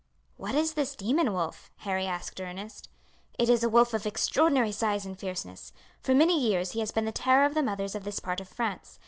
"What is this demon wolf?" Harry asked Ernest. "It is a wolf of extraordinary size and fierceness. For many years he has been the terror of the mothers of this part of France.